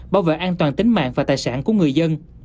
bảo vệ an toàn tính mạng và tài sản của người dân